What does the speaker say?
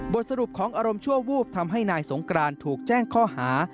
สรุปของอารมณ์ชั่ววูบทำให้นายสงกรานถูกแจ้งข้อหา